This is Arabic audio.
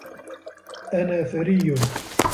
أنا ثري.